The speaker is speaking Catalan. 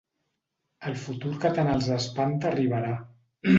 El futur que tant els espanta arribarà.